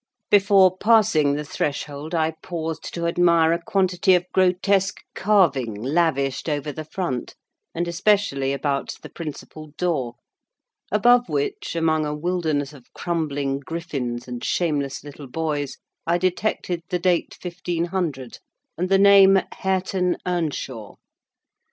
Before passing the threshold, I paused to admire a quantity of grotesque carving lavished over the front, and especially about the principal door; above which, among a wilderness of crumbling griffins and shameless little boys, I detected the date "1500," and the name "Hareton Earnshaw."